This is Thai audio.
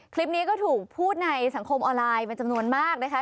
คลิปนี้ก็ถูกพูดในสังคมออนไลน์เป็นจำนวนมากนะคะ